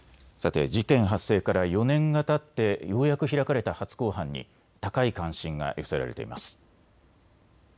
さて事件発生から４年がたってようやく開かれた初公判に高い関心が寄せられています。